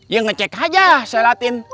ya ngecek aja selatin